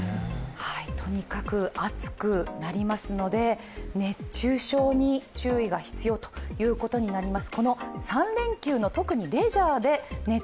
とにかく暑くなりますので、熱中症に注意が必要となります。